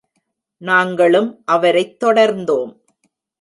நாங்களும் அவரைத் தொடர்ந்தோம்.